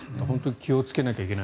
気をつけなきゃいけない。